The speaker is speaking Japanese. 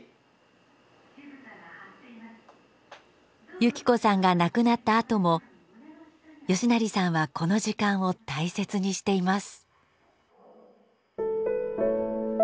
有希子さんが亡くなったあとも嘉成さんはこの時間を大切にしています。